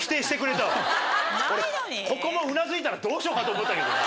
俺ここもうなずいたらどうしようかと思ったけどな。